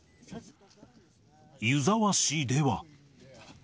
湯沢市では。